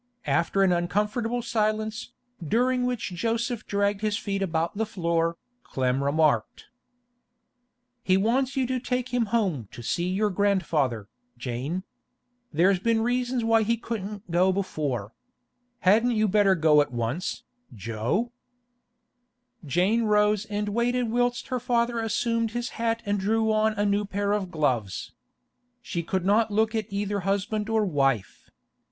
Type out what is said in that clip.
After an uncomfortable silence, during which Joseph dragged his feet about the floor, Clem remarked: 'He wants you to take him home to see your grandfather, Jane. There's been reasons why he couldn't go before. Hadn't you better go at once, Jo?' Jane rose and waited whilst her father assumed his hat and drew on a new pair of gloves. She could not look at either husband or wife.